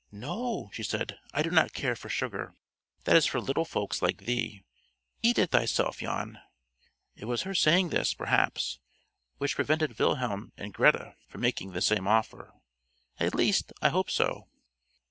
"No," she said. "I do not care for sugar. That is for little folks like thee. Eat it thyself, Jan." It was her saying this, perhaps, which prevented Wilhelm and Greta from making the same offer, at least, I hope so.